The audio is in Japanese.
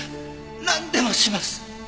なんでもします。